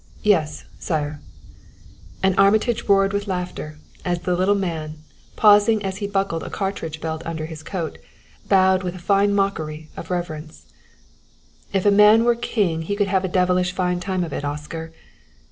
"Yes, sire." And Armitage roared with laughter, as the little man, pausing as he buckled a cartridge belt under his coat, bowed with a fine mockery of reverence. "If a man were king he could have a devilish fine time of it, Oscar."